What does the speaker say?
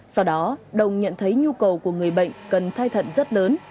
sau đó đồng nhận thấy nhu cầu của người bệnh cần thay thận rất lớn